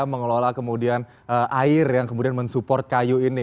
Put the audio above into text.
mengelola kemudian air yang kemudian mensupport kayu ini